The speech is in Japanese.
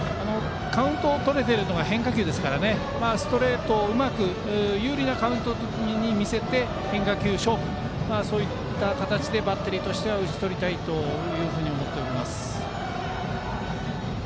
カウントをとれているのが変化球ですのでストレートをうまく有利なカウントの時に見せて変化球勝負という形でバッテリーとしては打ち取りたいと思っていると思います。